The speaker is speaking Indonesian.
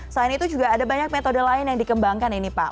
selain itu juga ada banyak metode lain yang dikembangkan ini pak